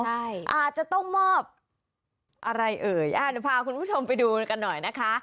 ใช่อาจจะต้องมอบอะไรเอ่ยอ่าเดี๋ยวพาคุณผู้ชมไปดูกันหน่อยนะคะ